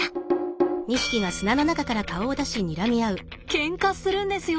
ケンカするんですよ！